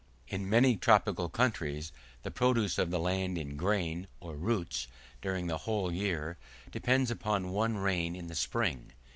In many tropical countries the produce of the land in grain or roots, during the whole year, depends upon one rain in the spring.